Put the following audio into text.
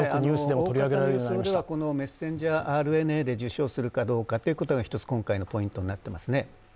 大方の予想ではこのメッセンジャーＲＮＡで受賞するかどうかということが一つ、今回のポイントになっていますね。